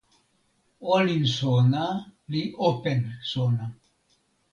olin sona li open sona.